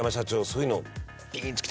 そういうの。